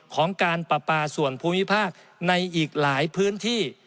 ของการปราปาส่วนภูมิภาคในอีกหลายพื้นที่